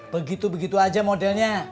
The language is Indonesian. begitu begitu aja modelnya